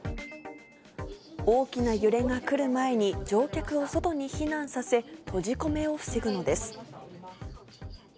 大きな揺れが来る前に、乗客を外に避難させ、閉じ込めを防ぐのです。